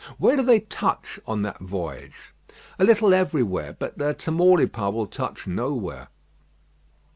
"Where do they touch on that voyage?" "A little everywhere; but the Tamaulipas will touch nowhere."